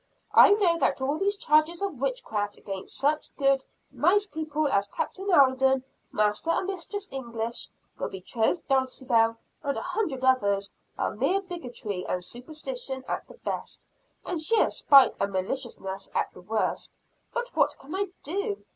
I know that all these charges of witchcraft against such good, nice people as Captain Alden, Master and Mistress English, your betrothed Dulcibel, and a hundred others, are mere bigotry and superstition at the best, and sheer spite and maliciousness at the worst but what can I do?